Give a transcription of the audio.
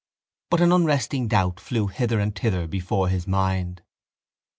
But an unresting doubt flew hither and thither before his mind.